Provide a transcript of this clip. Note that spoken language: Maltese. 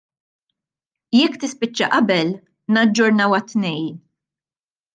Jekk tispiċċa qabel, naġġornaw għat-Tnejn.